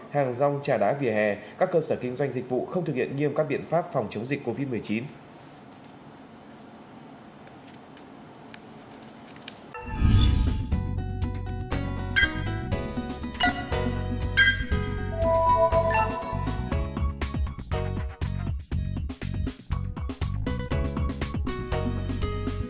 hàng rong trà đá vỉa hè các cơ sở kinh doanh dịch vụ không thực hiện nghiêm các biện pháp phòng chống dịch covid một mươi chín